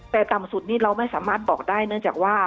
แต่ต่ำสุดนี่เราไม่สามารถบอกได้เนื่องจากว่า